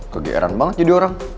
kegeeran banget jadi orang